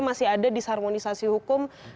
masih ada disharmonisasi hukum